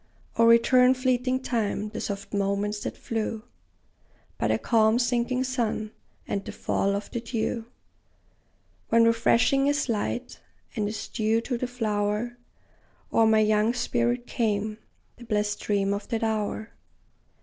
O return, fleeting time, the soft moments that flew By the calm sinking sun, and the fall of the dew, When, refreshing as light, and as dew to the flower O'er my young spirit came the blest dream of that hour!